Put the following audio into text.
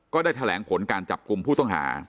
ก็ได้แถลงผลการจับกลุ่มผู้ต้องหา